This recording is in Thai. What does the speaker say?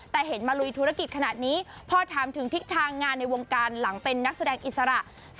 แต่เห็นมาลุยธุรกิจขนาดนี้พอถามถึงทิศทางงานในวงการหลังเป็นนักแสดงอิสระ